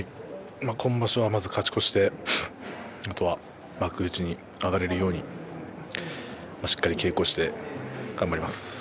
今場所はまず勝ち越してあとは幕内に上がれるようにしっかり稽古して頑張ります。